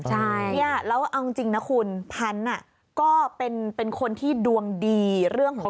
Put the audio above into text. ใช่เนี้ยแล้วเอาจริงจริงนะคุณพันธุ์น่ะก็เป็นเป็นคนที่ดวงดีเรื่องของกัน